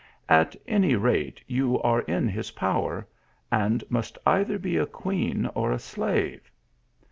At any rate you are in his power and must either be a queen or a slave.